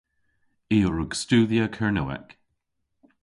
I a wrug studhya Kernewek.